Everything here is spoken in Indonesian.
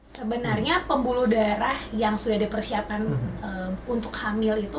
sebenarnya pembuluh darah yang sudah dipersiapkan untuk hamil itu